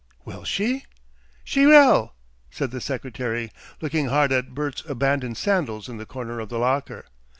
"Will she?" "She will," said the secretary, looking hard at Bert's abandoned sandals in the corner of the locker.